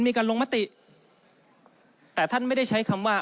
มีการลงมติแต่ท่านไม่ได้ใช้คำว่า